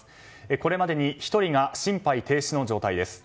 これまでに１人が心肺停止の状態です。